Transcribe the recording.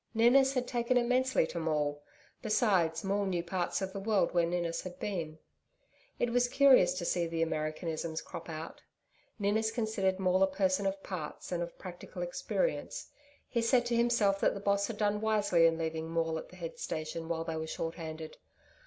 Ninnis had taken immensely to Maule. Beside Maule knew parts of the world where Ninnis had been. It was curious to see the American isms crop out. Ninnis considered Maule a person of parts and of practical experience. He said to himself that the Boss had done wisely in leaving Maule at the head station while they were short handed.